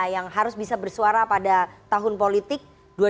yang harus bisa bersuara pada tahun politik dua ribu dua puluh